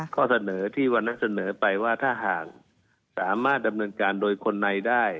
ข้อเสนอที่วันนั้นเสนอไปว่าถ้าหากสามารถดำเนินการโดยคนในได้